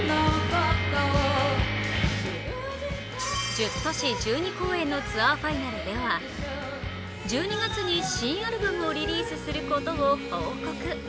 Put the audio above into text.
１０都市１２公演のツアーファイナルでは１２月に新アルバムをリリースすることを報告。